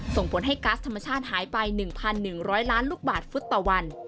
ส่งผลให้ก๊าซธรรมชาติหายไป๑๑๐๐ล้านลูกบาทฟุตต่อวัน